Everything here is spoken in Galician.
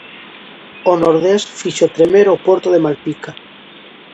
O nordés fixo tremer o porto de Malpica.